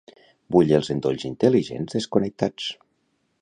Vull els endolls intel·ligents desconnectats.